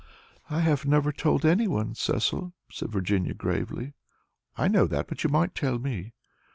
"I have never told anyone, Cecil," said Virginia, gravely. "I know that, but you might tell me."